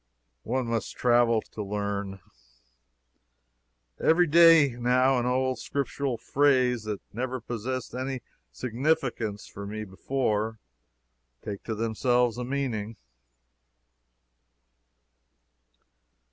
One must travel, to learn. Every day, now, old Scriptural phrases that never possessed any significance for me before, take to themselves a meaning.